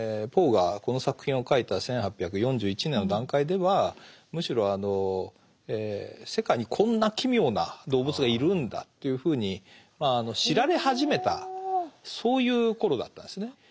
ポーがこの作品を書いた１８４１年の段階ではむしろ世界にこんな奇妙な動物がいるんだというふうに知られ始めたそういう頃だったんですね。